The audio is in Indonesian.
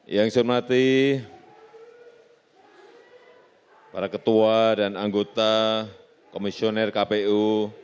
yang saya hormati para ketua dan anggota komisioner kpu